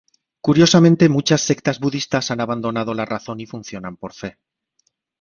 Curiosamente muchas sectas budistas han abandonado la razón y funcionan por fe.